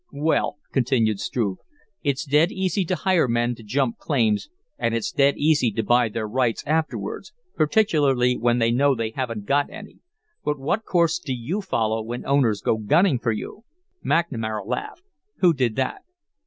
"Well," continued Struve, "it's dead easy to hire men to jump claims and it's dead easy to buy their rights afterwards, particularly when they know they haven't got any but what course do you follow when owners go gunning for you?" McNamara laughed. "Who did that?"